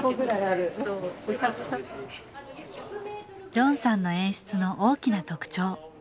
ジョンさんの演出の大きな特徴。